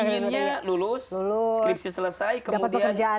inginnya lulus skripsi selesai kemudian dapat pekerjaan